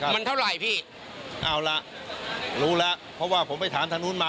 มันเท่าไหร่พี่เอาล่ะรู้แล้วเพราะว่าผมไปถามทางนู้นมา